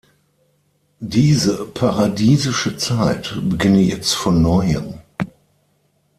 Diese paradiesische Zeit beginne jetzt von Neuem.